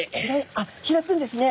あっ開くんですね。